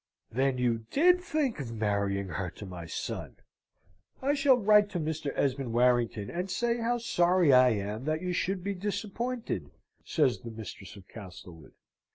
"Then you did think of marrying her to my son! I shall write to Mr. Esmond Warrington, and say how sorry I am that you should be disappointed!" says the mistress of Castlewood.